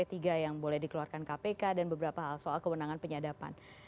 p tiga yang boleh dikeluarkan kpk dan beberapa hal soal kewenangan penyadapan